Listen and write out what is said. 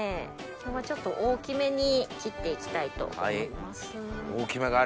今日はちょっと大きめに切って行きたいと思います。